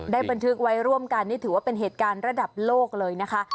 บันทึกไว้ร่วมกันนี่ถือว่าเป็นเหตุการณ์ระดับโลกเลยนะคะ